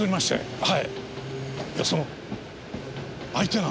はい。